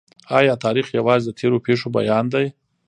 آیا تاریخ یوازي د تېرو پېښو بیان دی؟